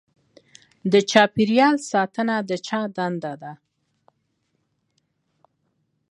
د چاپیریال ساتنه د چا دنده ده؟